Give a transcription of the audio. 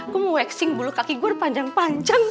gue mau waxing bulu kaki gue udah panjang panjang